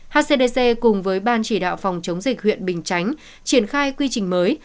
hcdc cùng với ban chỉ đạo phòng chống dịch huyện bình chánh triển khai quy trình mới